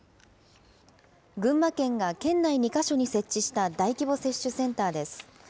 群馬県が県内２か所に設置した大規模接種センターです。